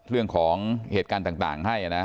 เรื่องของเหตุการณ์ต่างให้นะ